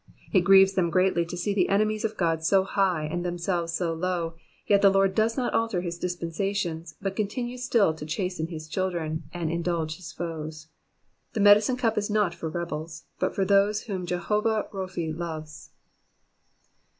It grieves them greatly to see the enemies of God so high, and themselves so low. yet the Lord does not alter his dispensations, but continues still to chasten his children, and indulge his foes. The medicine cup is not for rebels, but for those whom Jehovah Kophi lovo6.